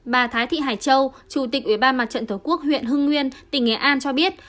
bà thái thị hải châu chủ tịch ủy ban mặt trận tổ quốc huyện hưng nguyên tỉnh nghệ an cho biết